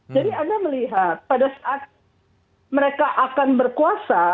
jadi anda melihat pada saat mereka akan berkuasa